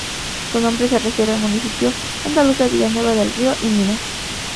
Su nombre se refiere al municipio andaluz de Villanueva del Río y Minas.